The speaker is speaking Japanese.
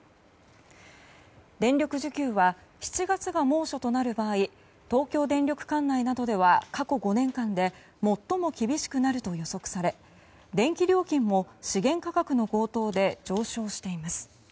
電力需給は７月が猛暑となる場合東京電力管内などでは過去５年間で最も厳しくなると予測され電力料金も資源価格の高騰で上昇しています。